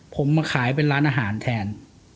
ผมมาขายเป็นร้านอาหารแทน